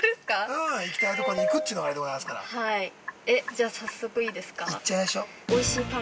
じゃあ、早速いいですか。